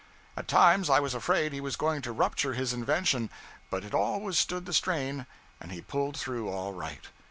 At times I was afraid he was going to rupture his invention; but it always stood the strain, and he pulled through all right.